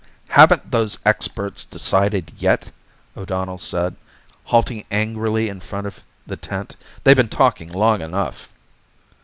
"Haven't those experts decided yet?" O'Donnell asked, halting angrily in front of the tent. "They've been talking long enough."